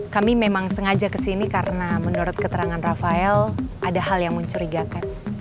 kami memang sengaja kesini karena menurut keterangan rafael ada hal yang mencurigakan